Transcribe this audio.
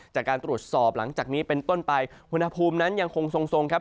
จากการตรวจสอบหลังจากนี้เป็นต้นไปอุณหภูมินั้นยังคงทรงครับ